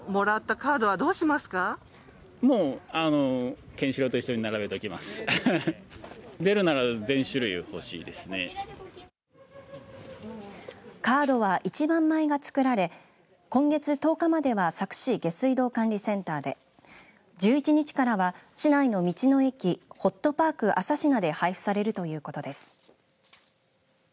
カードは１万枚が作られ今月１０日までは佐久市下水道管理センターで１１日からは市内の道の駅ほっとぱーく・浅科で配布されるということです。